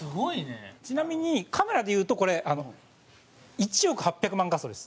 ちなみにカメラでいうと、これ１億８００万画素です。